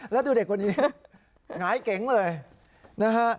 แล้วดูเด็กคนนี้หงายเก๋งเลยนะฮะ